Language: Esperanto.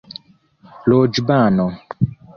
loĵbano